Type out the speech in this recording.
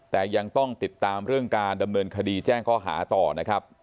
แต่ยังต้องติดตามเรื่องการดำเนินคดีแจ้งข้อหาต่อนะครับ